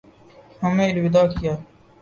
ہمیں الوداع کیا